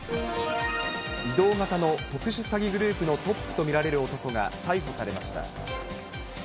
移動型の特殊詐欺グループのトップと見られる男が、逮捕されました。